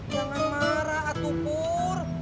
jangan marah atu pur